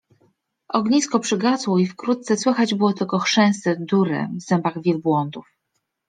Ognisko przygasło i wkrótce słychać było tylko chrzęst durry w zębach wielbłądów.